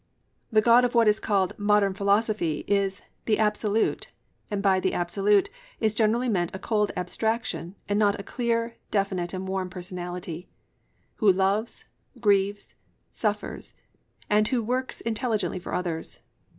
"+ The God of what is called "Modern Philosophy" is "The Absolute," and by "The Absolute" is generally meant a cold abstraction and not a clear, definite and warm personality Who loves, grieves, suffers, and Who works intelligently for others.